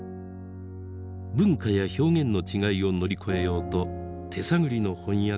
文化や表現の違いを乗り越えようと手探りの翻訳が始まりました。